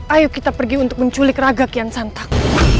ayo kita pergi untuk menculik raga kian santang